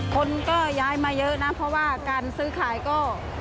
คนก็ย้ายมาเยอะนะเพราะว่าการซื้อขายก็